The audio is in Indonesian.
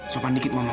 sopan dikit mama